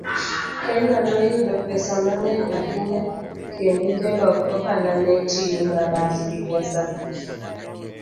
Kenya noyudo pesa mang'eny ahinya, kendo jolok ohala ne tiyo marach gi pesago.